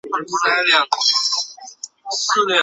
厄斯为位在美国兰姆县的城市。